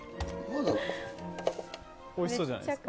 おいしそうじゃないですか。